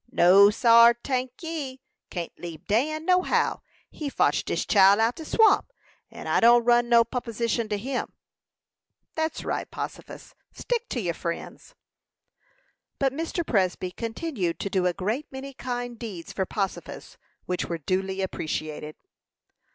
"No, sar, tank ye; can't leabe Dan, no how; he fotched dis chile out of de swamp, and I don't run no popposition to him." "That's right, Possifus; stick to your friends." But Mr. Presby continued to do a great many kind deeds for "Possifus," which were duly appreciated.